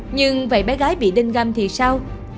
nhưng vậy bé gái bị đinh găm thì sao